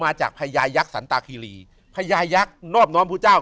มาจากพญายักษ์สันตะคิรีพญายักษ์นอบน้อมพระพุทธเจ้า